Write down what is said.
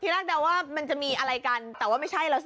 แรกเดาว่ามันจะมีอะไรกันแต่ว่าไม่ใช่แล้วสิ